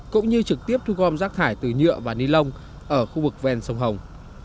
cũng như trực tiếp thu gom rác thải từ nhựa và ni lông ở khu vực ven sông hồng